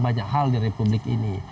banyak hal di republik ini